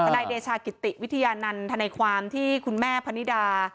นายเดชากิติวิทยานันทนายความที่คุณแม่พนิดา